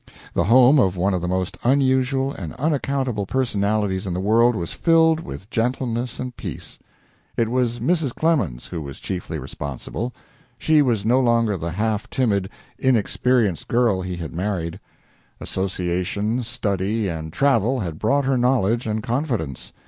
The home of one of the most unusual and unaccountable personalities in the world was filled with gentleness and peace. It was Mrs. Clemens who was chiefly responsible. She was no longer the half timid, inexperienced girl he had married. Association, study, and travel had brought her knowledge and confidence.